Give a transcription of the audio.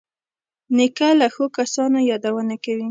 نیکه له ښو کسانو یادونه کوي.